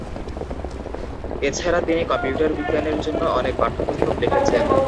এছাড়া তিনি কম্পিউটার বিজ্ঞানের জন্য অনেক পাঠ্যপুস্তক লিখেছেন।